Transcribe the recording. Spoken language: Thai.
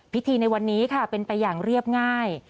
ในวันนี้ค่ะเป็นไปอย่างเรียบง่าย